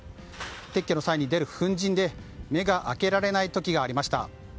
撤去の際に出る粉塵で目が開けられない時がありました。